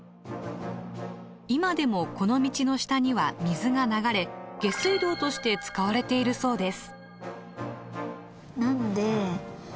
今でもこの道の下には水が流れ下水道として使われているそうです。